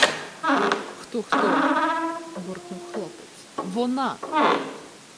— Хто, хто! — буркнув хлопець. — Вона!